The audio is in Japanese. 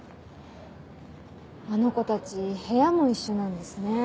あの子たち部屋も一緒なんですね。